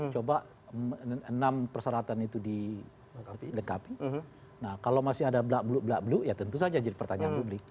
coba enam perseratan itu dilengkapi kalau masih ada belak beluk belak beluk ya tentu saja jadi pertanyaan publik